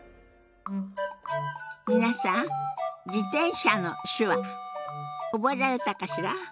皆さん「自転車」の手話覚えられたかしら？